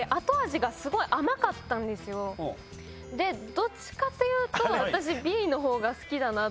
どっちかというと。